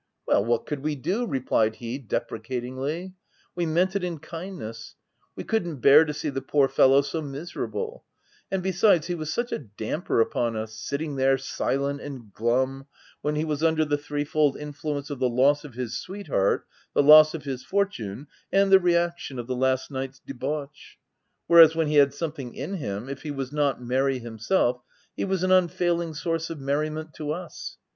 " Well, what could we do ?" replied he, de precatingly —" We meant it in kindness — we couldn't bear to see the poor fellow so miser able :— and besides, he was such a damper upon us, sitting there, silent and glum, when he was under the threefold influence of the loss of his sweetheart, the loss of his fortune, and the reaction of the last night's debauch ; whereas, when he had something in him, if he was not merry himself, he was an unfailing source of merriment to us.